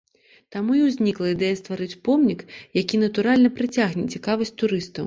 Таму і ўзнікла ідэя стварыць помнік, які, натуральна, прыцягне цікавасць турыстаў.